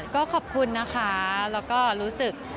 ก็ขอบคุณนะคะแล้วก็รู้สึก